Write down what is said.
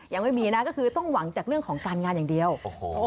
ยังไม่มีนะก็คือต้องหวังจากเรื่องของการงานอย่างเดียวโอ้โห